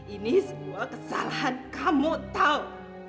ini semua kesalahan kamu tau